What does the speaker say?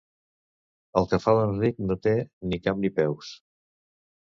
El que fa l'Enric no té ni cap ni peus.